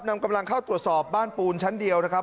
นำกำลังเข้าตรวจสอบบ้านปูนชั้นเดียวนะครับ